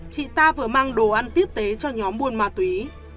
chị ta vừa mang đồ ăn tiếp tế cho nhóm buôn ma túy